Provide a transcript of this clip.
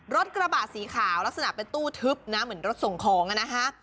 รถกระบะสีขาวลักษณะเป็นตู้ทึบนะเหมือนรถส่งของนะฮะ